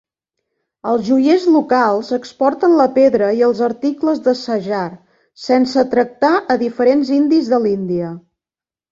Els joiers locals exporten la pedra i els articles de shajar sense tractar a diferents indis de l'Índia.